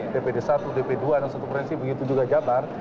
dpd satu dp dua dan satu provinsi begitu juga jabar